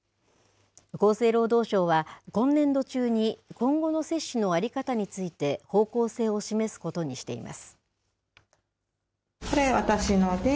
厚生労働省は、今年度中に今後の接種の在り方について方向性を示すことにしています。